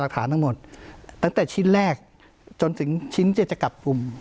ฐานทั้งหมดตั้งแต่ชิ้นแรกจนถึงชิ้นที่จะจับกลุ่ม